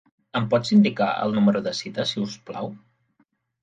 Em pots indicar el número de cita, si us plau?